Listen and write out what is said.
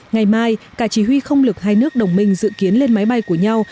ngày mai cả chỉ huy không lực hai nước đồng minh dự kiến lên máy bay của nhau